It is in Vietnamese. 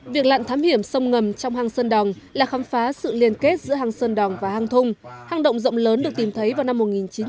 việc lặn thám hiểm sông ngầm trong hang sơn đòn là khám phá sự liên kết giữa hang sơn đòn và hang thung hang động rộng lớn được tìm thấy vào năm một nghìn chín trăm bảy mươi